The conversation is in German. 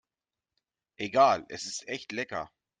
Egal, es ist echt lecker.